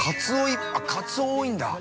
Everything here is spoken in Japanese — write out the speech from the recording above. ◆カツオ多いんだ。